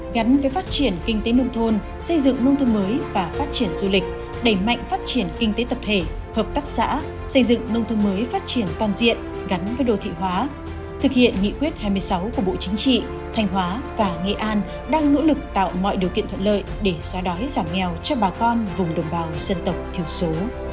gắn với phát triển kinh tế nông thôn xây dựng nông thôn mới và phát triển du lịch đẩy mạnh phát triển kinh tế tập thể hợp tác xã xây dựng nông thôn mới phát triển toàn diện gắn với đồ thị hóa thực hiện nghị quyết hai mươi sáu của bộ chính trị thanh hóa và nghệ an đang nỗ lực tạo mọi điều kiện thuận lợi để xóa đói giảm nghèo cho bà con vùng đông bao dân tộc thiểu số